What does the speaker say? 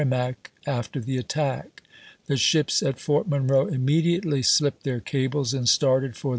rimac after the attack. The ships at Fort Monroe ^Repm r immediately slipped their cables and started for mf.'^^'w. r.